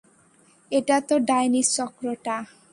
এটা তো ডাইনির চক্র টা।